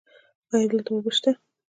ایا دلته اوبه شته؟